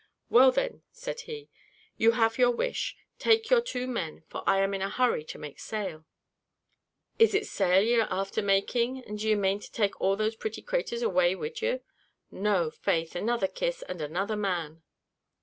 "Well, then," said he, "you have your wish; take your two men, for I am in a hurry to make sail." "Is it sail ye are after making; and do ye mane to take all those pretty craturs away wid ye? No, faith! another kiss, and another man."